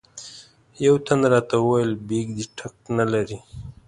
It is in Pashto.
یوه تن راته وویل بیک دې ټګ نه لري.